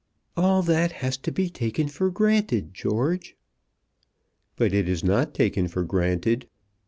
"All that has to be taken for granted, George." "But it is not taken for granted.